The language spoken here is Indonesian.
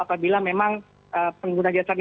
apabila memang pengguna jajaran